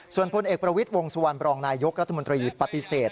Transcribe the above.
ส่วนพลเอกประวิทย์วงสุวรรณบรองนายยกรัฐมนตรีปฏิเสธ